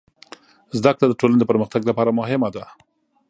زدهکړه د ټولنې د پرمختګ لپاره مهمه برخه ده.